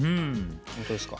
本当ですか？